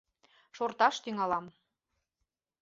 — Шорташ тӱҥалам.